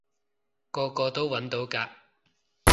個個都搵到㗎